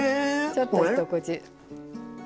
ちょっと一口。